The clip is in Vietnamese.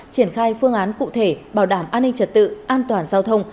triển khai phương án cụ thể bảo đảm an ninh trật tự an toàn giao thông